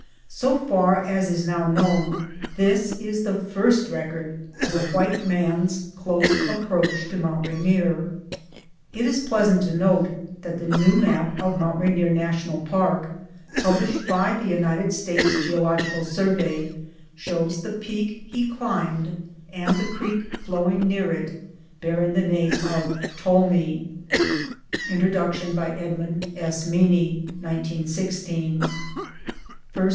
So far as is now known, this is the first record of a white man's close approach to Mount Rainier. It is pleasant to note that the new map of Mount Rainier National Park, published by the United States Geological Survey, shows the peak he climbed and the creek flowing near it bearing the name of Tolmie.